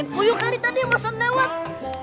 kuyuk hari tadi masa lewat